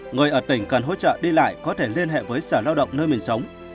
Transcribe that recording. người ở tỉnh cần hỗ trợ đi lại có thể liên hệ với sở lao động nơi mình sống